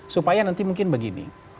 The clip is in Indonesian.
supaya nanti mungkin begini